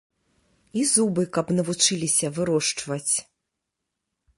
І зубы каб навучыліся вырошчваць.